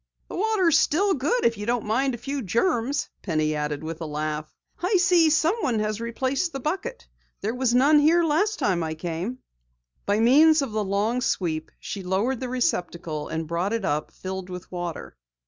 "The water is still good if you don't mind a few germs," Penny added with a laugh. "I see that someone has replaced the bucket. There was none here the last time I came." By means of the long sweep, she lowered the receptacle and brought it up filled with water.